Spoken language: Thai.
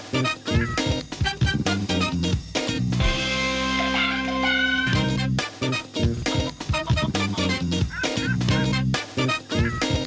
โปรดติดตามตอนต่อไป